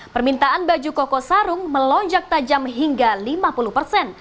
permintaan baju koko sarung melonjak tajam hingga lima puluh persen